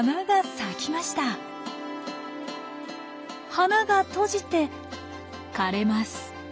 花が閉じて枯れます。